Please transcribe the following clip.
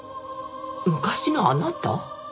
昔のあなた？